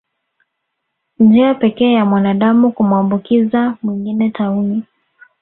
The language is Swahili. Njia pekee ya mwanadamu kumwambukiza mwingine tauni